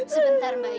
sebentar mbak yu